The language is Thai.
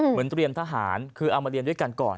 เตรียมทหารคือเอามาเรียนด้วยกันก่อน